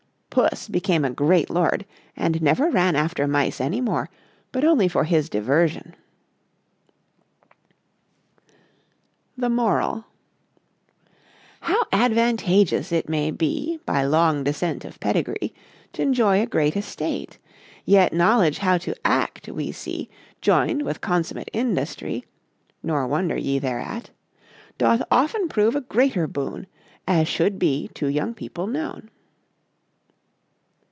Puss became a great lord, and never ran after mice any more, but only for his diversion. The Moral _How advantageous it may be, By long descent of pedigree, T'enjoy a great estate, Yet knowledge how to act, we see, Join'd with consummate industry, (Nor wonder ye thereat) Doth often prove a greater boon, As should be to young people known.